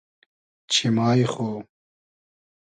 چیمای خو